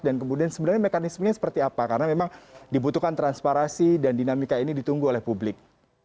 dan kemudian sebenarnya mekanismenya seperti apa karena memang dibutuhkan transparasi dan dinamika ini ditunggu oleh publik